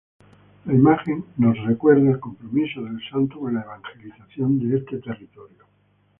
La imagen nos recuerda el compromiso del Santo con la evangelización de este territorio.